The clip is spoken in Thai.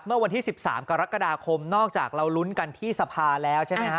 เมื่อวันที่๑๓กรกฎาคมนอกจากเรารุ้นกันที่สภาแล้วใช่ไหมฮะ